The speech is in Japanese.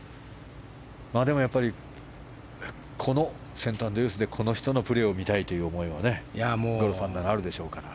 でも、やっぱりこのセントアンドリュースでこの人のプレーを見たいという思いはゴルフファンならあるでしょうから。